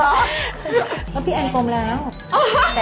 เพราะพี่แอนกลมแล้ว